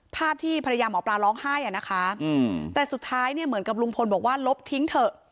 ภาพที่ภรรยาหมอปลาร้องไห้อ่ะนะคะแต่สุดท้ายเนี่ยเหมือนกับลุงพลบอกว่าลบทิ้งเถอะ